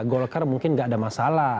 golkar mungkin nggak ada masalah